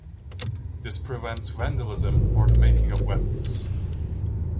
This prevents vandalism or the making of weapons.